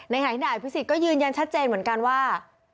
ในฐานที่ด่ายพฤศิษย์ก็ยืนยันชัดเจนเหมือนกันว่า